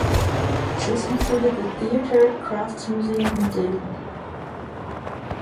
This included the Theatre Crafts Museum in Delhi.